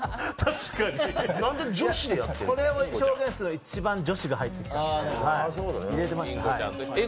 これを表現するのに一番、女子を入れてました。